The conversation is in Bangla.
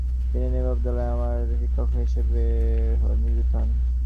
তিনি নবম দলাই লামার শিক্ষক হিসেবে নিযুক্ত হন।